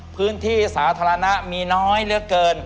พื้นที่สาธารณะมีน้อยเหลือเกิน